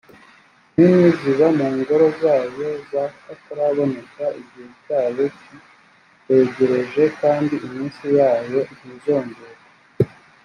nini zizaba mu ngoro zayo z akataraboneka igihe cyayo kiregereje kandi iminsi yayo ntizongerwa